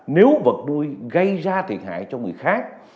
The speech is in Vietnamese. nếu vật đuôi gây ra thiệt hại cho người khác